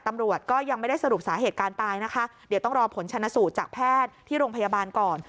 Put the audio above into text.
ตำรวจก็ยังไม่ได้สรุปสาเหตุการตายนะคะเดี๋ยวต้องรอผลชนะสูตรจากแพทย์ที่โรงพยาบาลก่อน